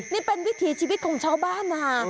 นี่เป็นวิถีชีวิตของชาวบ้านนะ